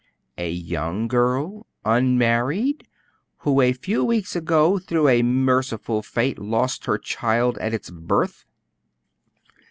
"A young girl, unmarried, who, a few weeks ago, through a merciful fate, lost her child at its birth."